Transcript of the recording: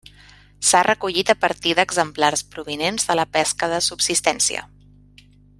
S'ha recollit a partir d'exemplars provinents de la pesca de subsistència.